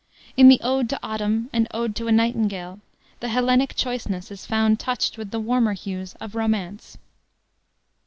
In the Ode to Autumn, and Ode to a Nightingale, the Hellenic choiceness is found touched with the warmer hues of romance.